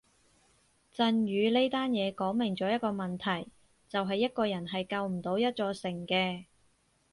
震宇呢單嘢講明咗一個問題就係一個人係救唔到一座城嘅